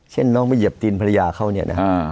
เช่นน้องไปเหยียบตีนภรรยาเขาเนี่ยนะ